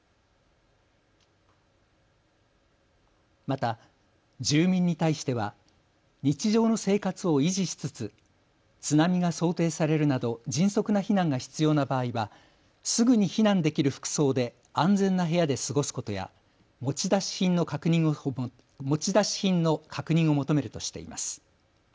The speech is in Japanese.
また住民に対しては、日常の生活を維持しつつ、津波が想定されるなど迅速な避難が必要な場合はすぐに避難できる服装で安全な部屋で過ごすことや持ち出し品の確認を求めるとしています。